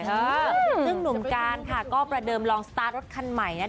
ซึ่งหนุ่มการก็ประเดิมลองสตาร์ทรถคันใหม่